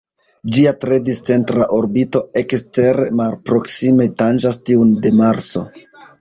Ĝia tre discentra orbito ekstere malproksime tanĝas tiun de Marso.